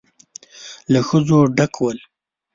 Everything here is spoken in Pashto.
له ښځو ډک ول.